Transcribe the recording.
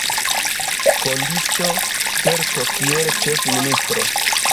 Kondiĉo: sperto kiel ĉefministro.